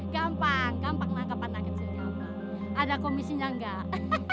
gampang gampang nangkep anak kecilnya ada komisinya enggak